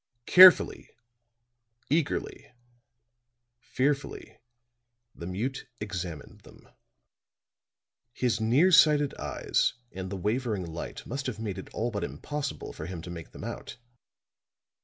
Carefully, eagerly, fearfully, the mute examined them; his near sighted eyes and the wavering light must have made it all but impossible for him to make them out.